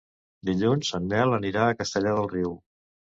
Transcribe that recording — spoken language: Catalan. Dilluns en Nel anirà a Castellar del Riu.